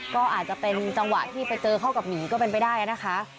ก็อาจจะเป็นจังหวะที่ไปเจอเข้ากับหมีก็เป็นไปได้นะคะ